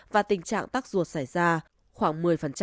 và tình trạng tắc ruột xảy ra khoảng một mươi